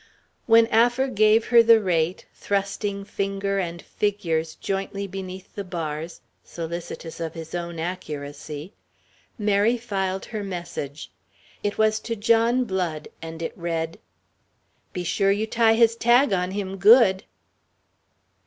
When Affer gave her the rate, thrusting finger and figures jointly beneath the bars, solicitous of his own accuracy, Mary filed her message. It was to John Blood, and it read: "Be sure you tie his tag on him good."